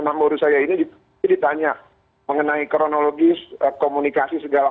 ini pada saat ditanyakan ibu rosti ataupun ambu rusaya ini ditanya mengenai kronologis komunikasi segala macam